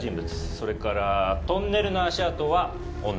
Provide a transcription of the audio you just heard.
それからトンネルの足跡は女。